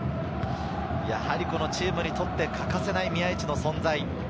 チームにとって欠かせない宮市の存在。